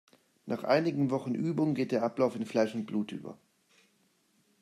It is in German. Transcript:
Nach einigen Wochen Übung geht der Ablauf in Fleisch und Blut über.